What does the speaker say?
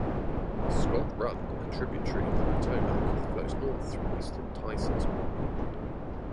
Scott Run, a tributary of the Potomac, flows north through eastern Tysons Corner.